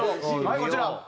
はいこちら。